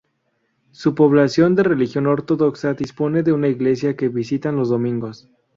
Su población, de religión ortodoxa, dispone de una iglesia que visitan los domingos.